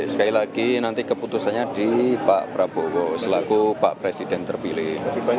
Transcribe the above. sekali lagi nanti keputusannya di pak prabowo selaku pak presiden terpilih